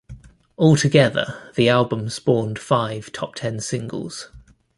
Altogether the album spawned five top-ten singles.